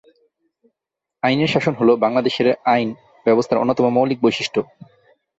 আইনের শাসন হলো বাংলাদেশের আইন ব্যবস্থার অন্যতম মৌলিক বৈশিষ্ট্য।